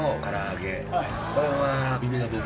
これは。